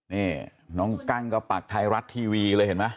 นี่น้องกั้งก็ปักไทยรัฐทีวีเลยเห็นไหม